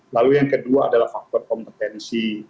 lalu yang kedua adalah faktor kompetensi